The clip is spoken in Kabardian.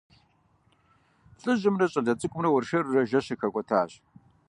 ЛӀыжьымрэ щӀалэ цӀыкӀумрэ уэршэрурэ жэщыр хэкӀуэтащ.